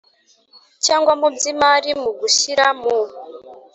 cyangwa mu by imari mu gushyira mu